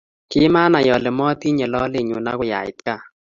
Kimanai ale matinye lolenyu akoi ait gaa